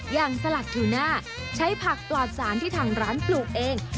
สลักทูน่าใช้ผักปลอดสารที่ทางร้านปลูกเอง